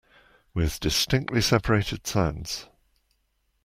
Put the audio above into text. With distinctly separated sounds.